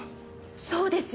そうです！